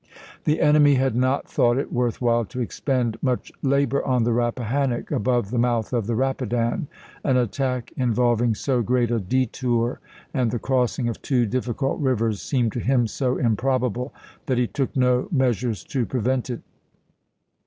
The enemy had not thought it worth while to expend much labor on the Rappahannock above the mouth of the Rapidan; an attack involving so great a detour and the crossing of two difficult rivers seemed to him so improbable that he took no mea sures to prevent it.